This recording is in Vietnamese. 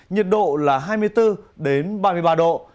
nhiệt độ là hai mươi bốn ba mươi ba độ